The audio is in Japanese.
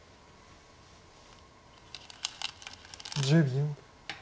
１０秒。